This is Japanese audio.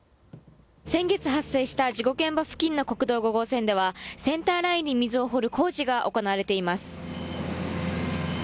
先月発生した事故現場付近の国道５号線ではセンターラインに溝を掘る工事が行われています。